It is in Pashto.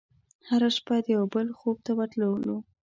هره شپه د یوه بل خوب ته ورتللو